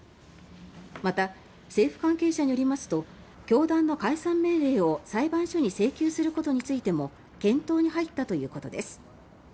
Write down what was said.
また、政府関係者によりますと教団の解散命令を裁判所に請求することについても検討に入ったということです。